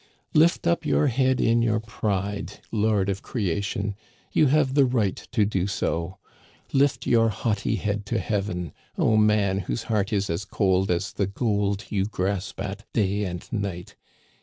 " Lift up your head in your pride, lord of creation ! You have the right to do so. Lift your haughty head to heaven, O man whose heart is as cold as the gold you grasp at day and night